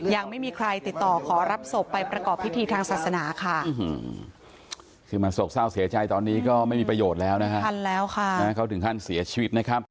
ยังไม่มีใครติดต่อขอรับศพไปประกอบพิธีทางศาสนาค่ะคือมันโศกเศร้าเสียใจตอนนี้ก็ไม่มีประโยชน์แล้วนะฮะทันแล้วค่ะเขาถึงขั้นเสียชีวิตนะครับ